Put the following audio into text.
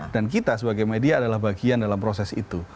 dan kita sebagai media adalah bagian dalam proses itu